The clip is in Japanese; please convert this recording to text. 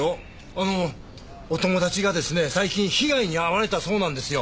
あのお友達がですね最近被害に遭われたそうなんですよ。